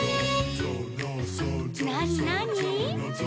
「なになに？」